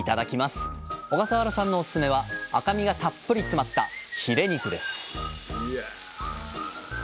小笠原さんのおすすめは赤身がたっぷり詰まったヒレ肉です